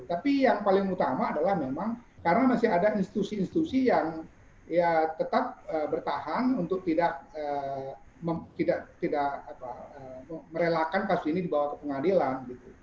tapi yang paling utama adalah memang karena masih ada institusi institusi yang tetap bertahan untuk tidak merelakan kasus ini dibawa ke pengadilan